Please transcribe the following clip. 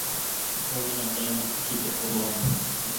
Ул мине атайыма үс итеп урланы.